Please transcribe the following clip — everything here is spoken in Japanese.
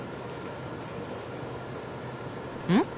うん？